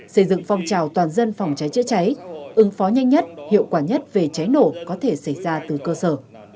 xây dựng phong trào toàn dân phòng cháy chữa cháy ứng phó nhanh nhất hiệu quả nhất về cháy nổ có thể xảy ra từ cơ sở